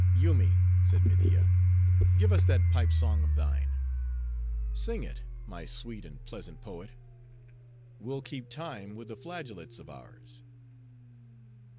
"Yoomy," said Media, "give us that pipe song of thine. Sing it, my sweet and pleasant poet. We'll keep time with the flageolets of ours."